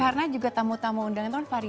karena juga tamu tamu undangan itu varian